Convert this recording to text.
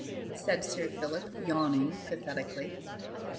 said Sir Philip, yawning pathetically.